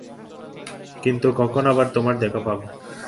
কিন্তু কখন আবার তোমার দেখা পাবো?